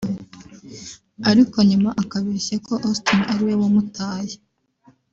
ariko nyuma akabeshya ko Austin ari we wamutaye